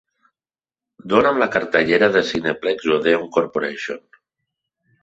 Dona'm la cartellera de Cineplex Odeon Corporation